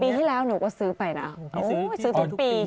ปีที่แล้วหนูก็ซื้อไปนะซื้อทุกปี